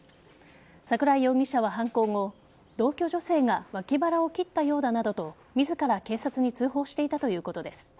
桜井容疑者は犯行後同居女性が脇腹を切ったようだなどと自ら警察に通報していたということです。